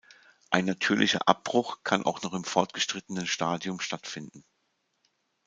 Ein natürlicher Abbruch kann auch noch im fortgeschrittenen Stadium stattfinden.